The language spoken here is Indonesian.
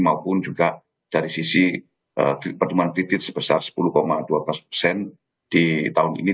maupun juga dari sisi pertumbuhan kredit sebesar sepuluh dua belas persen di tahun ini